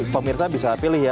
pemirsa bisa pilih ya